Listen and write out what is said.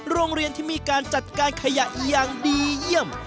โรงเรียนที่มีการจัดการขยะอย่างดีเยี่ยม